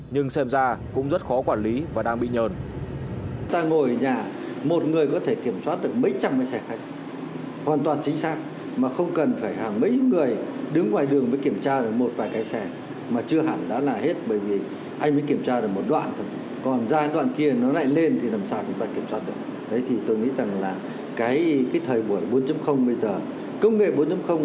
nhưng xem ra cũng rất khó quản lý và đang bị nhờn